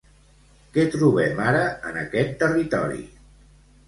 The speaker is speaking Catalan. Què trobem ara en aquest territori?